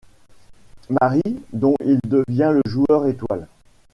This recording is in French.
Marie, dont il devient le joueur étoile.